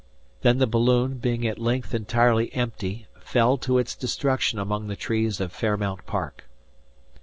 Then the balloon, being at length entirely empty, fell to its destruction among the trees of Fairmount Park.